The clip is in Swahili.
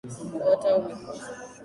Kaota umekufa.